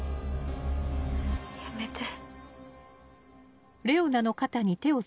やめて。